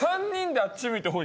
あっち向いてホイ。